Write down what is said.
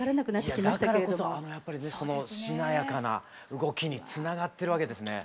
いやだからこそあのしなやかな動きにつながってるわけですね。